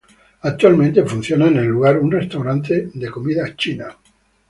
Actualmente funciona en el lugar un restaurante de comida china.